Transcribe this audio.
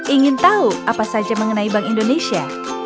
ingin tahu apa saja mengenai bank indonesia